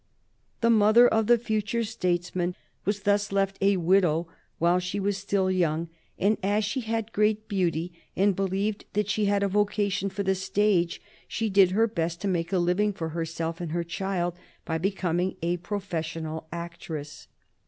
The mother of the future statesman was thus left a widow while she was still young, and, as she had great beauty and believed that she had a vocation for the stage, she did her best to make a living for herself and her child by becoming a professional actress.